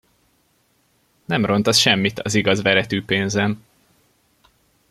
Nem ront az semmit az igaz veretű pénzen!